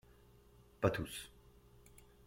Pas tous